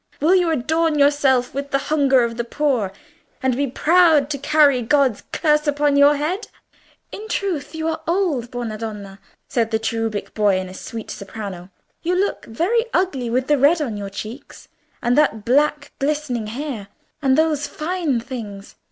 Will you adorn yourself with the hunger of the poor, and be proud to carry God's curse upon your head?" "In truth you are old, buona madre," said the cherubic boy, in a sweet soprano. "You look very ugly with the red on your cheeks and that black glistening hair, and those fine things.